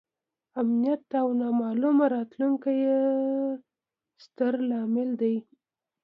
امنیت او نامعلومه راتلونکې یې ستر لامل دی.